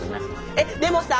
えっでもさ。